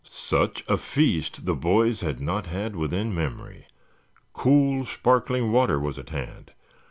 Such a feast the boys had not had within memory. Cool, sparkling water was at hand.